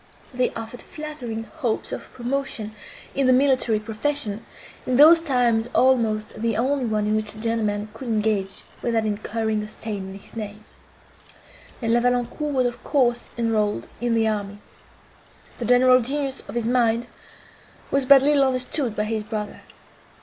They offered flattering hopes of promotion in the military profession, in those times almost the only one in which a gentleman could engage without incurring a stain on his name; and La Valancourt was of course enrolled in the army. The general genius of his mind was but little understood by his brother.